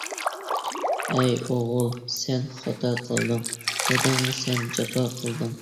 ئەي ئوغۇل سەن خاتا قىلدىڭ، داداڭغا سەن جاپا قىلدىڭ.